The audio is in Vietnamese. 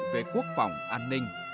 về quốc phòng an ninh